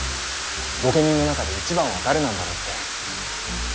御家人の中で一番は誰なんだろうって。